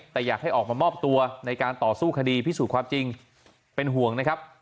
แต่อยากให้ออกมามอบตัวในการต่อสู้คดีพิสูจน์ความจริงเป็นห่วงนะครับ